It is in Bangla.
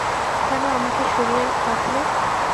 কেন আমাকে সরিয়ে রাখলে?